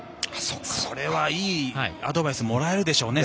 それはいいアドバイスをもらえるでしょうね。